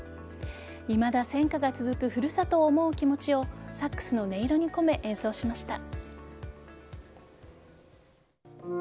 いまだ戦禍が続く古里を思う気持ちをサックスの音色に込め演奏しました。